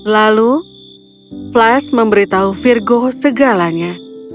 lalu flash memberitahu virgo segalanya